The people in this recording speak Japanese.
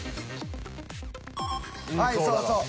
はいそうそう。